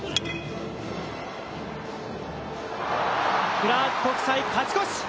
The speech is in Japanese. クラーク国際、勝ちこし！